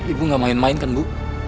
ibu nggak main main kan bu